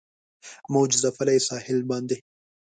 موج ځپلي ساحل باندې